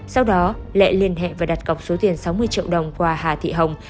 sau đó lệ liên hệ và đặt cọc số tiền sáu mươi triệu đồng qua hà thị hồng